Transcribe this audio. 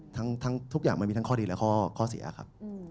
ทุกอย่างมันมีทั้งข้อดีและข้อเสียครับ